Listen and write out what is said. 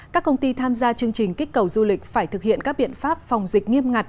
các công ty tham gia chương trình kích cầu du lịch phải thực hiện các biện pháp phòng dịch nghiêm ngặt